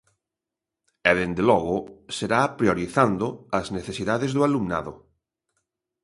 E, dende logo, será priorizando as necesidades do alumando.